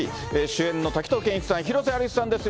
主演の滝藤賢一さん、広瀬アリスさんです。